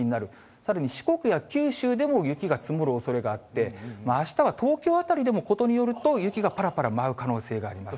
さらに四国や九州でも雪が積もるおそれがあって、あしたは東京辺りでもことによると、雪がぱらぱら舞う可能性があります。